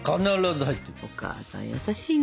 お母さん優しいね。